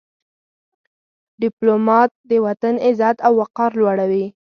ډيپلومات د وطن عزت او وقار لوړوي.